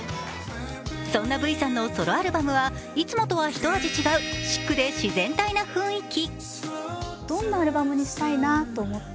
そんなＶさんのソロアルバムはいつもとはひと味違うシックで自然体な雰囲気。